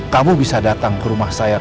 kamu bisa datang ke rumah saya